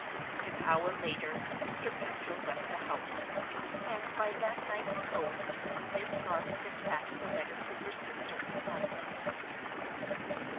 An hour later, Mr. Pendril left the house; and, by that night's post, Miss Garth dispatched a letter to her sister in London.